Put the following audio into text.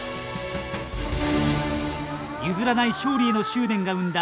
譲らない勝利への執念が生んだ